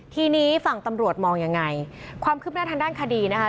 ทีนี้ฝั่งตำรวจมองยังไงความคืบหน้าทางด้านคดีนะคะ